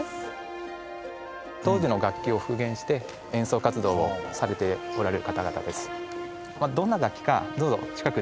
当時の楽器を復元して演奏活動をされておられる方々です。